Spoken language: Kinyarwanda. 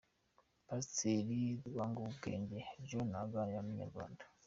Pasiteri Rwungurubwenge John aganira na Inyarwanda.